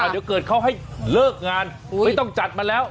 เดี๋ยวเกิดเขาให้เลิกงานไม่ต้องจัดมาแล้ว